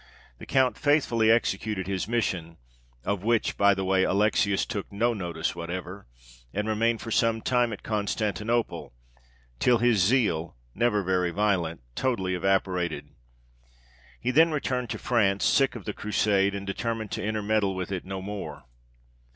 The count faithfully executed his mission (of which, by the way, Alexius took no notice whatever), and remained for some time at Constantinople, till his zeal, never very violent, totally evaporated. He then returned to France, sick of the Crusade, and determined to intermeddle with it no more.